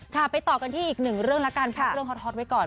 ไปต่อกันที่อีกหนึ่งเรื่องแล้วกันพักเรื่องฮอตไว้ก่อน